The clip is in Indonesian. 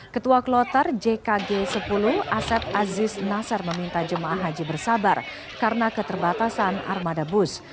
ketua kloter jkg sepuluh asep aziz nasar meminta jemaah haji bersabar karena keterbatasan armada bus